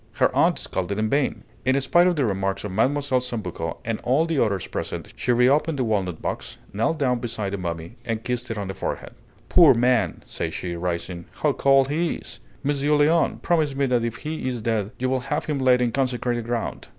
Her aunt scolded in vain; in spite of the remarks of Mlle. Sambucco and all the others present, she reopened the walnut box, knelt down beside the mummy, and kissed it on the forehead. "Poor man!" said she, rising. "How cold he is! Monsieur Léon, promise me that if he is dead you will have him laid in consecrated ground!"